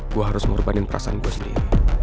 gue harus mengorbanin perasaan gue sendiri